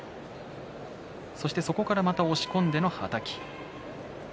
そして、そこからまた押し込んでのはたき。